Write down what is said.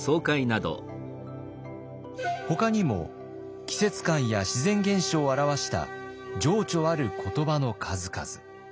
ほかにも季節感や自然現象を表した情緒ある言葉の数々。